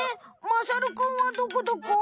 まさるくんはどこどこ？